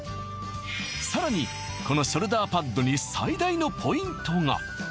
さらにこのショルダーパッドに最大のポイントが！